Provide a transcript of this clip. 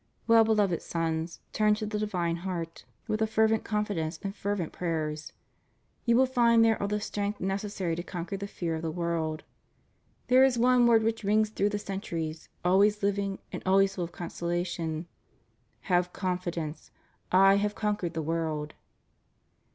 Well beloved Sons, turn to the divine Heart with a » 1 Cor. iv. 12, 13. 512 THE RELIGIOUS CONGREGATIONS IN FRANCE. fervent confidence, and fervent prayers. You will j&nd there all the strength necessary to conquer the fear of the world. There is one word which rings through the centuries, always Hving and always full of consolation. Have confidence, I have conquered the world.